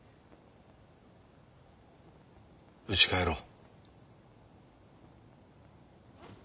うち帰ろう。